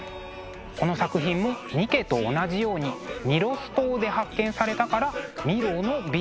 この作品も「ニケ」と同じようにミロス島で発見されたから「ミロのヴィーナス」なんですね。